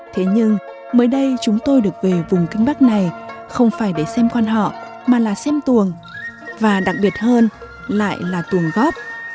thế nhưng mới đây chúng tôi được về vùng kinh bắc này không phải để xem quan họ mà là xem tuồng và đặc biệt hơn lại là tuồng góp